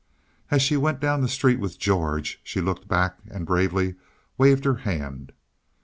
As she went down the street with George she looked back and bravely waved her hand.